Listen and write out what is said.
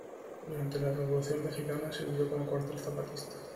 Durante la Revolución Mexicana sirvió como cuartel zapatista.